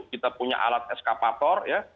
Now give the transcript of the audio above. kita punya alat eskapator ya